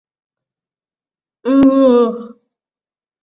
നിങ്ങള് പോവേണ്ട എന്ന് പറഞ്ഞാല് ഞാന് പോവില്ലാ